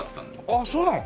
あっそうなの？